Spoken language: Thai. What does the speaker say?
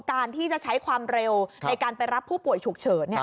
การที่จะใช้ความเร็วในการไปรับผู้ป่วยฉุกเฉิน